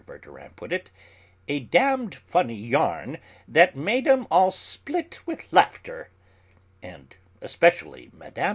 Verdurin put it, "a damned funny yarn that made 'em all split with laughter," and especially Mme.